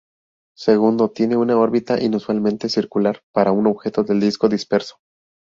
Segundo, tiene una órbita inusualmente circular para un objeto del disco disperso.